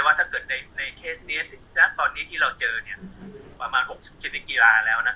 ถ้าเกิดในเคสนี้ณตอนนี้ที่เราเจอประมาณ๖๐ชนิดกีฬาแล้ว